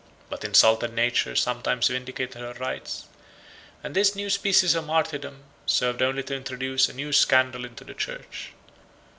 But insulted Nature sometimes vindicated her rights, and this new species of martyrdom served only to introduce a new scandal into the church.